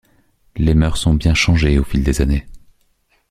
Les mœurs ont bien changé au fil des années.